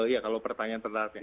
ya kalau pertanyaan tersebut